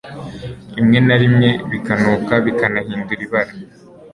rimwe na rimwe bikanuka bikanahindura ibara,